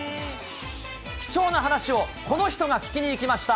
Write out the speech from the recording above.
貴重な話を、この人が聞きに行きました。